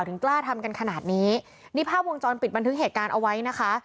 กล้าทำกันขนาดนี้นี่ภาพวงจรปิดบันทึกเหตุการณ์เอาไว้นะคะ